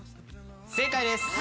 正解です。